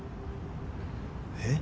えっ？